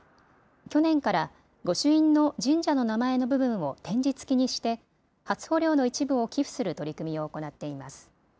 去年から御朱印の神社の名前の部分を点字付きにして初穂料の一部を寄付する取り組みを行っています。